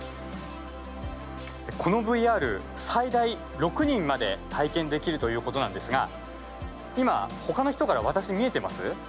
このＶＲ、最大６人まで体験できるということなんですが今、他の人から私、見えてます？